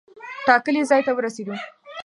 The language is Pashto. ټاکلي ځای ته ورسېدو.